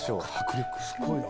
すごいな！